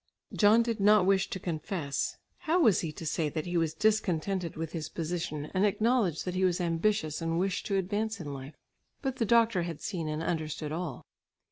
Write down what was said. John did not wish to confess. How was he to say that he was discontented with his position, and acknowledge that he was ambitious and wished to advance in life? But the doctor had seen and understood all.